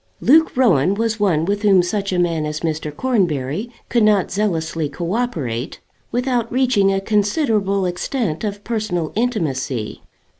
Luke Rowan was one with whom such a man as Mr. Cornbury could not zealously co operate without reaching a considerable extent of personal intimacy.